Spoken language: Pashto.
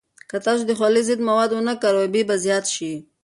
که تاسو د خولې ضد مواد ونه کاروئ، بوی به زیات شي.